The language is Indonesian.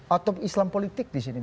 atau islam politik disini